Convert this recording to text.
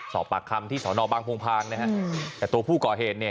สอบปากคำที่สนบังพงภางแต่ตัวผู้ก่อเหตุเนี่ย